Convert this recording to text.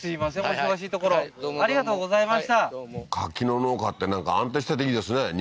柿の農家ってなんか安定してていいですね